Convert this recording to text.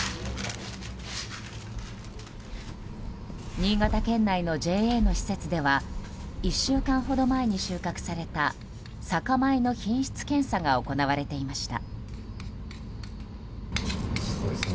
新潟県内のＪＡの施設では１週間ほど前に収穫された酒米の品質検査が行われていました。